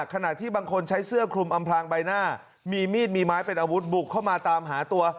ขณะที่บางคนใช้เสื้อคลุมอำพลางใบหน้ามีมีดมีไม้เป็นอาวุธบุกเข้ามาตามหาตัว